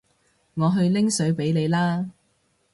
我去拎水畀你啦